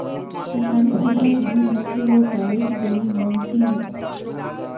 انسانی فطرت یہی ہے کہ وہ دعوے کی دلیل مانگتی ہے۔